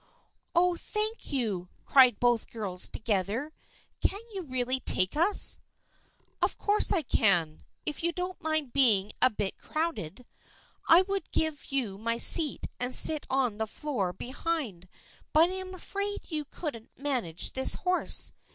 " Oh, thank you !" cried both the girls together. " Can you really take us ?"" Of course I can, if you don't mind being a bit crowded. I would give you my seat and sit on the floor behind but I am afraid you couldn't manage this horse.